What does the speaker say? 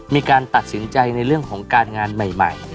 มีการตัดสินใจในเรื่องของการงานใหม่